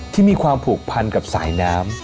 ที่มีความผูกพันกับสายน้ำ